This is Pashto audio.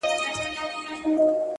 نه بيزو نه قلندر ورته په ياد وو،